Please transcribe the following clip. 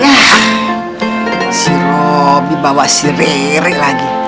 ya si robi bawa si rere lagi